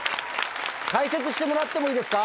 解説してもらってもいいですか？